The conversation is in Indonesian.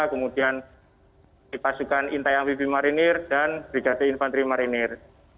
kemudian pasukan intayam bibi marinir dan brigade infantri marinir